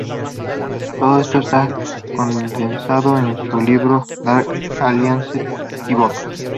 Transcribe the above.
Todo esto está condensado en su libro "Dark Alliance: The Book".